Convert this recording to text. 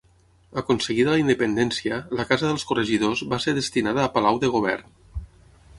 Aconseguida la Independència, la Casa dels Corregidors va ser destinada a Palau de Govern.